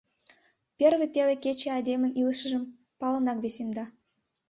Первый теле кече айдемын илышыжым палынак весемда.